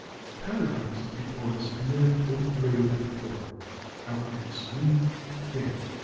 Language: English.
The paradox is before us of a man world weary at the core, outwardly serene, gay.